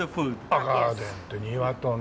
あっガーデンって庭とね。